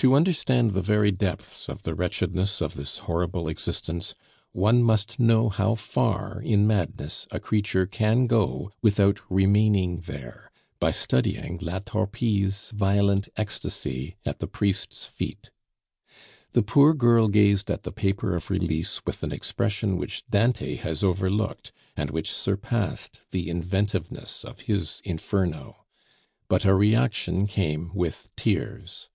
To understand the very depths of the wretchedness of this horrible existence, one must know how far in madness a creature can go without remaining there, by studying La Torpille's violent ecstasy at the priest's feet. The poor girl gazed at the paper of release with an expression which Dante has overlooked, and which surpassed the inventiveness of his Inferno. But a reaction came with tears.